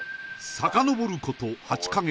さかのぼること８か月